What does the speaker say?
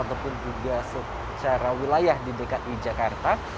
dan juga secara wilayah di dekat jakarta